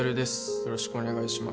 よろしくお願いします